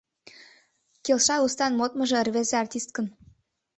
Келша устан модмыжо рвезе артисткын